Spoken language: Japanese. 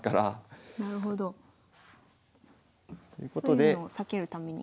そういうのを避けるために。